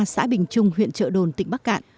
xã bình trung huyện trợ đồn tỉnh bắc cạn